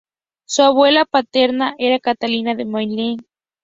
Su abuela paterna era Catalina de Mayenne.